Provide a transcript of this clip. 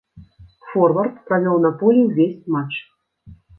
Форвард правёў на полі ўвесь матч.